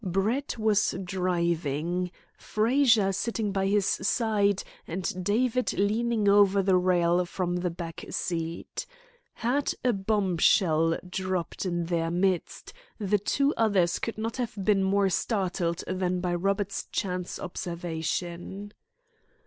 Brett was driving, Frazer sitting by his side, and David leaning over the rail from the back seat. Had a bombshell dropped in their midst the two others could not have been more startled than by Robert's chance observation.